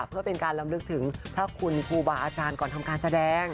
เพื่อเป็นการลำลึกถึงพระคุณครูบาอาจารย์ก่อนทำการแสดง